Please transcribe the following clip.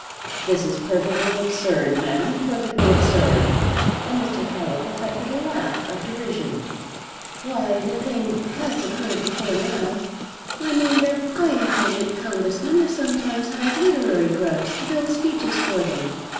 "This is perfectly absurd, madam, perfectly absurd!" and Mr. Trollop affected a laugh of derision. "Why, the thing has occurred before now. I mean that I have heard that Congressmen have sometimes hired literary grubs to build speeches for them.